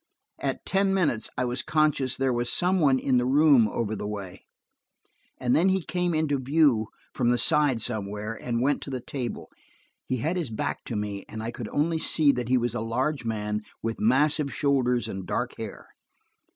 At ten minutes I was conscious there was some one in the room over the way. And then he came into view from the side somewhere, and went to the table. He had his back to me, and I could only see that he was a large man, with massive shoulders and dark hair.